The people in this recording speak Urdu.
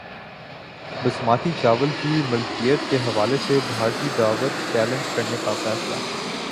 باسمتی چاول کی ملکیت کے حوالے سے بھارتی دعوی چیلنج کرنے کا فیصلہ